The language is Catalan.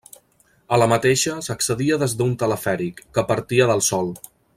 A la mateixa s'accedia des d'un telefèric, que partia del sòl.